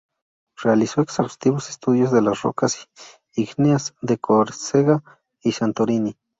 Realizó exhaustivos estudios de las rocas ígneas de Córcega y Santorini.